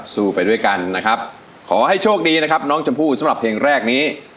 ไปด้วยกันนะครับขอให้โชคดีนะครับน้องชมพู่สำหรับเพลงแรกนี้